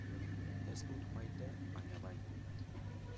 Ez dut maite baina bai.